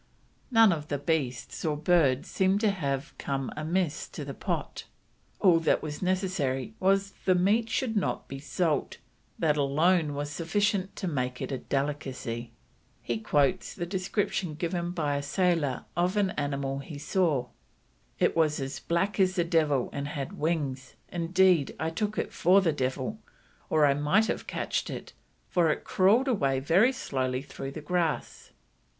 None of the beasts or birds seem to have come amiss to the pot; all that was necessary was the meat should not be salt, "that alone was sufficient to make it a delicacy." He quotes the description given by a sailor of an animal he saw: "It was as black as the devil and had wings, indeed I took it for the devil, or I might have catched it, for it crawled away very slowly through the grass."